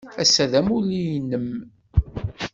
Ass-a d amulli-nnem.